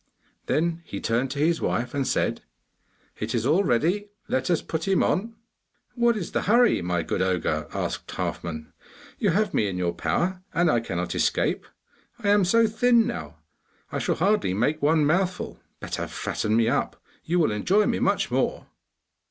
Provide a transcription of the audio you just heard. Then he turned to his wife and said: 'It is all ready, let us put him on!' 'What is the hurry, my good ogre?' asked Halfman. 'You have me in your power, and I cannot escape. I am so thin now, I shall hardly make one mouthful. Better fatten me up; you will enjoy me much more.